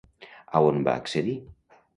A on va accedir?